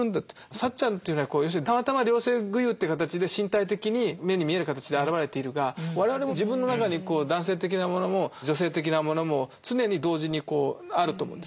サッチャンというのは要するにたまたま両性具有という形で身体的に目に見える形で現れているが我々も自分の中に男性的なものも女性的なものも常に同時にあると思うんですね。